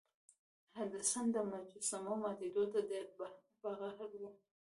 هډسن د مجسمو ماتیدو ته ډیر په قهر و.